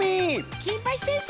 金八先生！